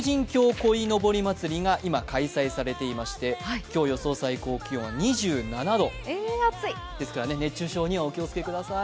鯉のぼりまつりが今開催されていまして今日、予想最高気温は２７度ですからですから、熱中症にはお気をつけください。